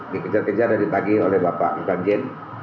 dikejar kejar dan ditagih oleh bapak iwan jen